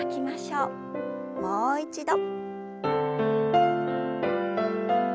もう一度。